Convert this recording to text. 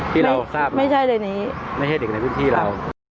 ที่เราทราบไม่ใช่เด็กในพื้นที่เรา